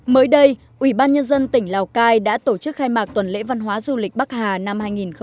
mới đây ủy ban nhân dân tỉnh lào cai đã tổ chức khai mạc tuần lễ văn hóa du lịch bắc hà năm hai nghìn một mươi chín